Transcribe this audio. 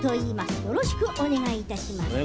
よろしくお願いします。